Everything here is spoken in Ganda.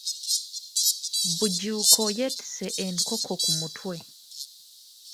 Bujuuko yetiise enkoko ku mutwe.